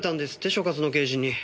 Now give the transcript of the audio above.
所轄の刑事に。